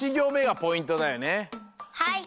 はい！